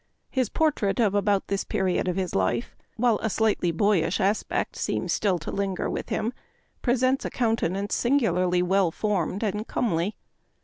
His portrait of about this period of his life, while a slightly boyish as pect seems still to linger with him, presents a countenance singularly well formed and comely.